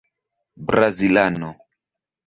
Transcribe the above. brazilano